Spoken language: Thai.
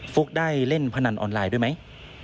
ุ๊กได้เล่นพนันออนไลน์ด้วยไหม